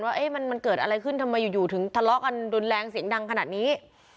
ว่ามันเกิดอะไรขึ้นทำไมอยู่ถึงทะเลาะกันรุนแรงเสียงดังขนาดนี้